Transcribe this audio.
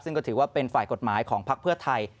ซึ่งก็ถือว่าเป็นฝ่ายกฎหมายของภักดิ์เพื่อไทย